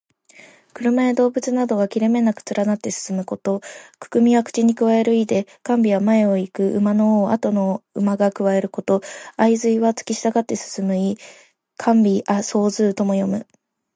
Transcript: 車や動物などが切れ目なく連なって進むこと。「銜」は口にくわえる意で、「銜尾」は前を行く馬の尾をあとの馬がくわえること。「相随」はつきしたがって進む意。「銜尾相随う」とも読む。